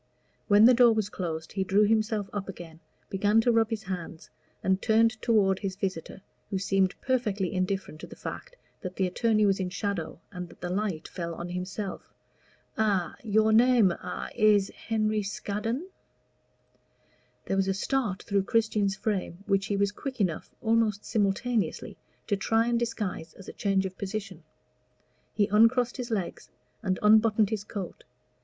When the door was closed he drew himself up again, began to rub his hands, and turned toward his visitor, who seemed perfectly indifferent to the fact that the attorney was in shadow, and that the light fell on himself. "A your name a is Henry Scaddon." There was a start through Christian's frame which he was quick enough, almost simultaneously, to try and disguise as a change of position. He uncrossed his legs and unbuttoned his coat.